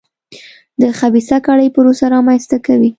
د خبیثه کړۍ پروسه رامنځته کوي.